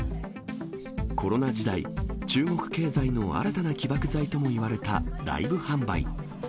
コロナ時代、中国経済の新たな起爆剤ともいわれたライブ販売。